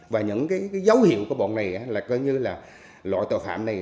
và những cái dấu hiệu của bọn này là coi như là loại tội phạm này